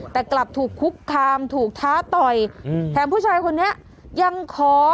แต่กลับถูกคุกคามถูกท้าต่อยแถมผู้ชายคนนี้ยังขอ